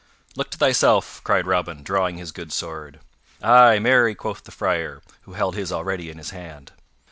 "Look to thyself," cried Robin, drawing his good sword. "Ay, marry," quoth the Friar, who held his already in his hand.